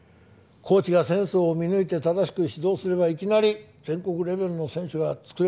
コーチがセンスを見抜いて正しく指導すればいきなり全国レベルの選手が作れる。